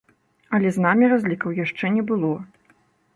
Але з намі разлікаў яшчэ не было.